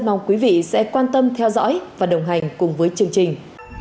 mong quý vị sẽ quan tâm theo dõi và đồng hành cùng với chương trình